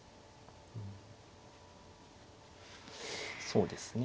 そうですね。